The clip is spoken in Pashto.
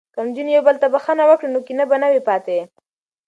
که نجونې یو بل ته بخښنه وکړي نو کینه به نه وي پاتې.